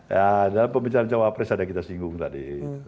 ya dalam pembicaraan cawapres ada yang kita singgung tadi